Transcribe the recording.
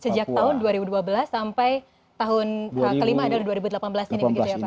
sejak tahun dua ribu dua belas sampai tahun kelima ada dua ribu delapan belas ini